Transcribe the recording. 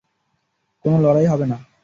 কোনো লড়াই হবে না।